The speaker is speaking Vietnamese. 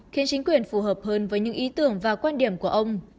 khiến chính quyền phù hợp hơn với những ý tưởng và quan điểm của ông